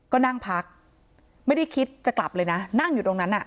ก็นั่งพักไม่ได้คิดจะกลับเลยนะนั่งอยู่ตรงนั้น